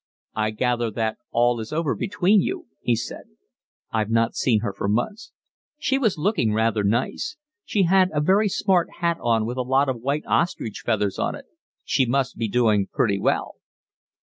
"I gather that all is over between you," he said. "I've not seen her for months." "She was looking rather nice. She had a very smart hat on with a lot of white ostrich feathers on it. She must be doing pretty well."